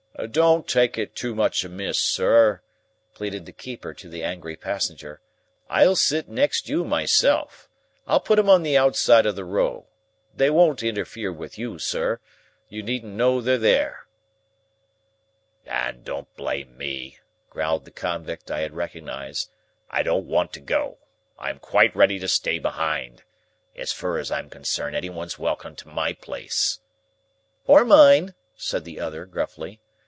"Don't take it so much amiss, sir," pleaded the keeper to the angry passenger; "I'll sit next you myself. I'll put 'em on the outside of the row. They won't interfere with you, sir. You needn't know they're there." "And don't blame me," growled the convict I had recognised. "I don't want to go. I am quite ready to stay behind. As fur as I am concerned any one's welcome to my place." "Or mine," said the other, gruffly.